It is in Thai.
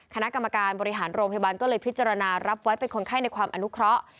คณะกรรมการบริหารโรงพยาบาลก็เลยพิจารณารับไว้เป็นคนไข้ในความอนุเคราะห์